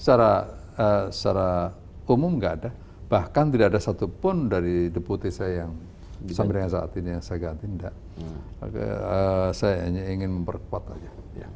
nggak secara umum nggak ada bahkan tidak ada satupun dari deputasi saya yang sampai saat ini yang saya ganti nggak saya hanya ingin memperkuat aja